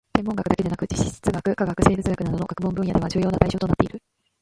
天文学だけでなく地質学・化学・生物学などの学問分野では重要な対象となっている